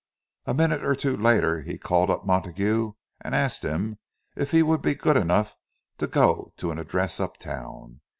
A minute or two later he called up Montague and asked him if he would be good enough to go to an address uptown.